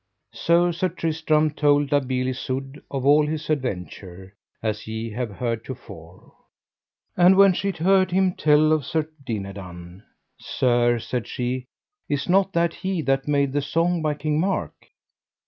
So Sir Tristram told La Beale Isoud of all his adventure, as ye have heard to fore. And when she heard him tell of Sir Dinadan: Sir, said she, is not that he that made the song by King Mark?